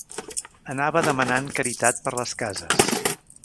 Anava demanant caritat per les cases.